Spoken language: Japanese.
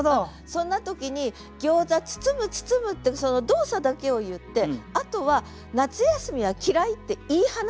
そんな時に「餃子包む包む」ってその動作だけを言ってあとは「夏休みは嫌ひ」って言い放つ。